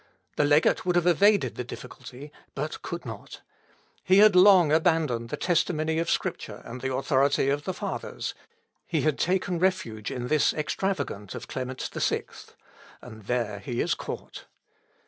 The legate would have evaded the difficulty, but could not. He had long abandoned the testimony of Scripture and the authority of the Fathers; he had taken refuge in this Extravagant of Clement VI, and there he is caught.